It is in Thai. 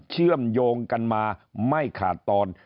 เชื่อมโยงกันมาไม่ขาดตอน